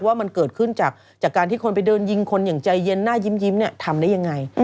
ว่ามันเกิดขึ้นจากการที่คนไปเดินยิงคนอย่างใจเย็นหน้ายิ้มเนี่ยทำได้ยังไง